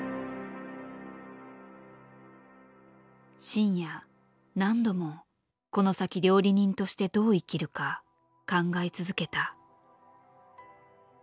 深夜何度もこの先料理人としてどう生きるか考え続けた。